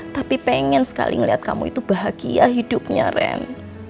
tapi pengen sekali melihat kamu itu bahagia hidupnya ren